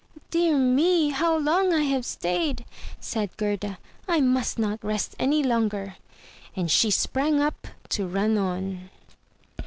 "Dear me, how long I have stayed!" said Gerda. "I must not rest any longer." And she sprang up to run on.